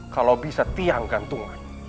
kalau bisa tiang gantungan